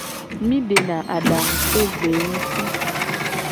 Mi dena adangu so gbewo nguti.